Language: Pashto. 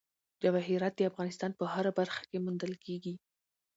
جواهرات د افغانستان په هره برخه کې موندل کېږي.